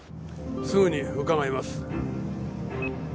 すぐに伺います。